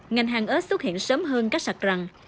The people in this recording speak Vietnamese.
ngành hàng ếch xuất hiện sớm hơn các sạc rằn